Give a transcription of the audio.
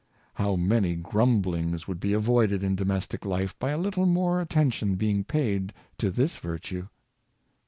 How many grumblings would be avoided in domestic life by a little more attention being paid to this virtue.